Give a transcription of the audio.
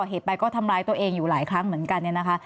พอก่อเหตุไปก็ทำร้ายตัวเองอยู่หลายครั้งเหมือนกัน